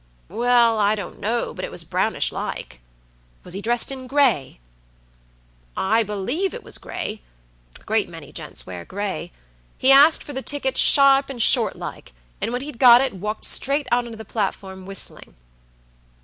"Well, I don't know, but it was brownish like." "Was he dressed in gray?" "I believe it was gray; a great many gents wear gray. He asked for the ticket sharp and short like, and when he'd got it walked straight out onto the platform whistling."